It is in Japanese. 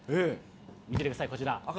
見ててください、こちら。